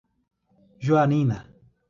Juarina